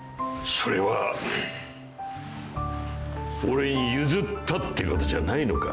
それは俺に譲ったってことじゃないのか。